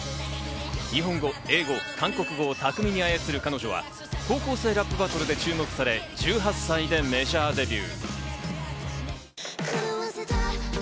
日本語、英語、韓国語を巧みに操る彼女は、高校生ラップバトルで注目され、１８歳でメジャーデビュー。